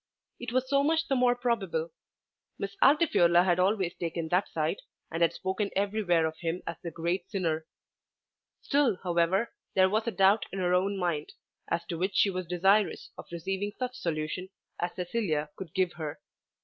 It was so much the more probable. Miss Altifiorla had always taken that side, and had spoken everywhere of him as the great sinner. Still however there was a doubt in her own mind, as to which she was desirous of receiving such solution as Cecilia could give her.